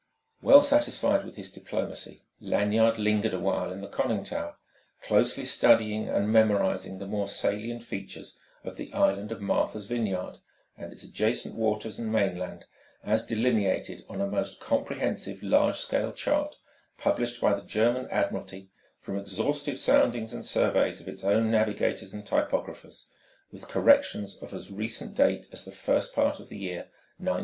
Well satisfied with his diplomacy, Lanyard lingered a while in the conning tower, closely studying and memorising the more salient features of the Island of Martha's Vineyard and its adjacent waters and mainland as delineated on a most comprehensive large scale chart published by the German Admiralty from exhaustive soundings and surveys of its own navigators and typographers, with corrections of as recent date as the first part of the year 1917.